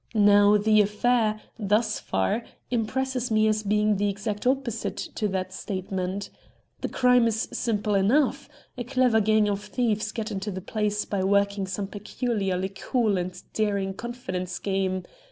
Now the affair, thus far, impresses me as being the exact opposite to that statement. The crime is simple enough. A clever gang of thieves get into the place by working some particularly cool and daring confidence game.